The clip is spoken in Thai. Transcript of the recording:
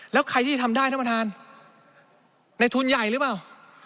แล้วใครที่จะทำได้ท่านประธานในทุนใหญ่หรือเปล่า